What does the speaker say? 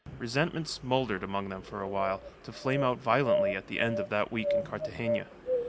Resentment smouldered amongst them for a while, to flame out violently at the end of that week in Cartagena.